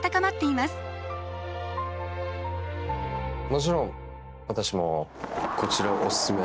もちろん私もこちらをおすすめ。